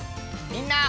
みんな！